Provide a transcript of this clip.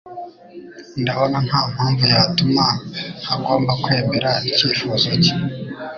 Ndabona ntampamvu yatuma ntagomba kwemera icyifuzo cye.